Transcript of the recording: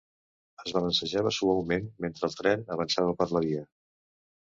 Es balancejava suaument mentre el tren avançava per la via.